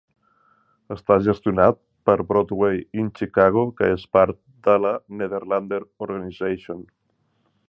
Està gestionat per Broadway In Chicago, que és part de la Nederlander Organization.